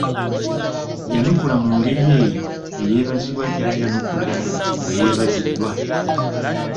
Yanukula mu ngeri oyo eyeebazibwa gyayanukula nga yeebaziddwa.